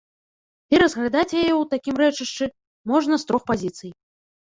І разглядаць яе ў такім рэчышчы можна з трох пазіцый.